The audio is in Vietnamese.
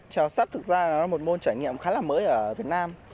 treo sắt thực ra là một môn trải nghiệm khá là mới ở việt nam